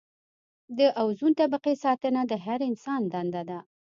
د اوزون طبقې ساتنه د هر انسان دنده ده.